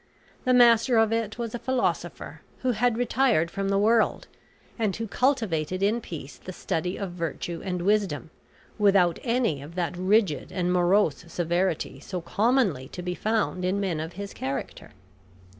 The master of it was a philosopher, who had retired from the world, and who cultivated in peace the study of virtue and wisdom, without any of that rigid and morose severity so commonly to be found in men of his character.